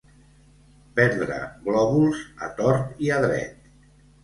Perdre glòbuls a tort i a dret.